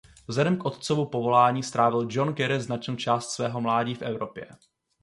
Vzhledem k otcovu povolání strávil John Kerry značnou část svého mládí v Evropě.